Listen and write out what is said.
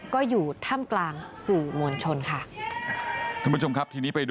ก็อยู่ถ้ำกลางสื่อมวลชนค่ะ